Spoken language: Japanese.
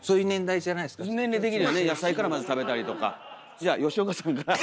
じゃあ吉岡さんから。